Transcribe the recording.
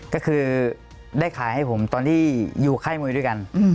ก็คือได้ขายให้ผมตอนที่อยู่ค่ายมวยด้วยกัน